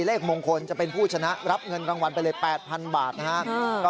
เลขมงคลจะเป็นผู้ชนะรับเงินรางวัลไปเลย๘๐๐๐บาทนะครับ